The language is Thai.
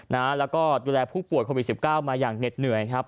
แล้วก็ดูแลผู้ป่วยโควิด๑๙มาอย่างเหน็ดเหนื่อยครับ